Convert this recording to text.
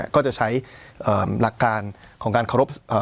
ก็จะใช้หลักการของการเคารพ